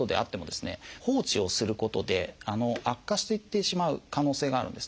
放置をすることで悪化していってしまう可能性があるんですね。